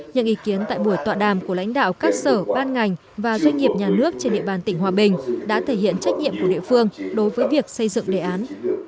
những ý kiến tại buổi tọa đàm của lãnh đạo các sở ban ngành và doanh nghiệp nhà nước trên địa bàn tỉnh hòa bình đã thể hiện trách nhiệm của địa phương đối với việc xây dựng đề án